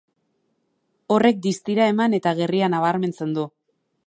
Horrek distira eman eta gerria nabarmentzen du.